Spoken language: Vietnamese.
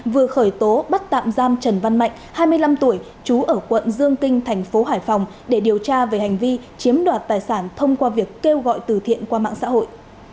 vừa khởi tố bắt tạm giam trần văn mạnh hai mươi năm tuổi trú ở quận dương kinh thành phố hải phòng để điều tra về hành vi chiếm đoạt tài sản thông qua việc kêu gọi từ thiện qua mạng xã hội